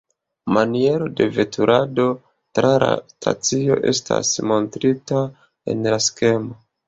Maniero de veturado tra la stacio estas montrita en la skemo.